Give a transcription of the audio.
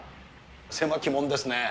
狭き門ですね。